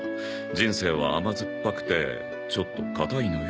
人生は甘酸っぱくてちょっと硬いのよ。